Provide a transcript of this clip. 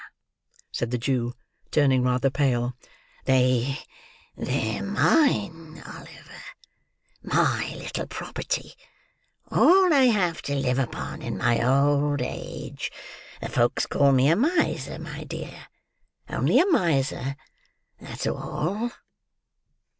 said the Jew, turning rather pale. "They—they're mine, Oliver; my little property. All I have to live upon, in my old age. The folks call me a miser, my dear. Only a miser; that's all."